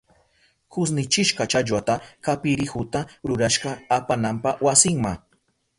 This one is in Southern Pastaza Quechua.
Kushnichishka challwata kapirihuta rurashka apananpa wasinma.